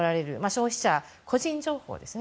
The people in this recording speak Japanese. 消費者、個人情報ですね。